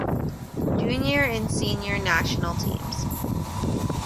Junior and Senior National Teams.